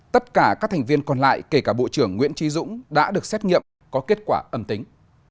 tất cả các thành viên còn lại kể cả bộ trưởng nguyễn trí dũng đã được xét nghiệm có kết quả âm tính